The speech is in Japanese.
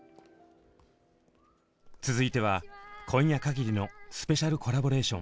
続いては今夜かぎりのスペシャルコラボレーション。